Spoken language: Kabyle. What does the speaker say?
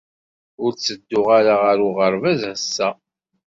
Ur ttedduɣ ara ɣer uɣerbaz ass-a!